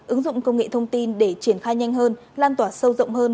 ứng dụng công nghệ thông tin để triển khai nhanh hơn lan tỏa sâu rộng hơn